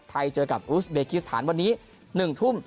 เจอกับอุสเบกิสถานวันนี้๑ทุ่ม